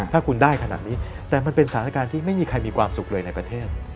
ถ้าคุณได้ขนาดนี้แต่มันเป็นสถานการณ์ที่ไม่มีใครมีความสุขเลยในประเทศ